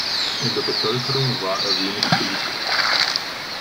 In der Bevölkerung war er wenig beliebt.